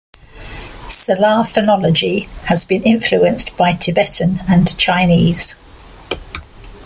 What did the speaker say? Salar phonology has been influenced by Tibetan and Chinese.